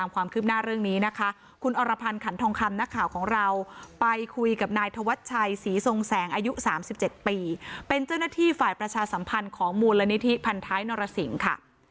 คุณผู้ชมค่ะคนเหล่านี่ก็ช่างกล้า